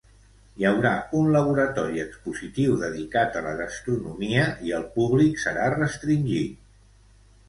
Hi haurà un laboratori expositiu dedicat a la gastronomia i el públic serà restringit.